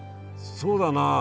そうだな。